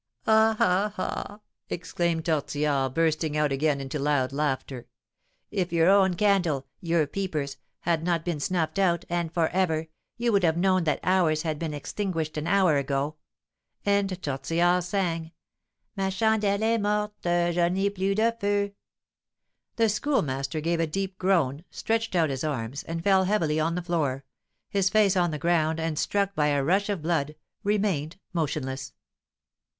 "Ah! ah! ah!" exclaimed Tortillard, bursting out again into loud laughter. "If your own candle your 'peepers' had not been snuffed out, and for ever, you would have known that ours had been extinguished an hour ago." And Tortillard sang: "Ma chandelle est morte, Je n'ai plus de feu." The Schoolmaster gave a deep groan, stretched out his arms, and fell heavily on the floor, his face on the ground, and, struck by a rush of blood, remained motionless.